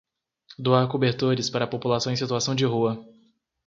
Doar cobertores para a população em situação de rua